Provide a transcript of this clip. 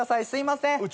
すいません。